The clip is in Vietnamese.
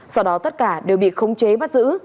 sau đó tất cả đều bị khống chế bắt giữ